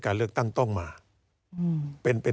การเลือกตั้งครั้งนี้แน่